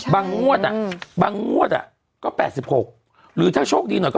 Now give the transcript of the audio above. บางงวดอะก็๘๖หรือถ้าโชคดีหน่อยก็๘๔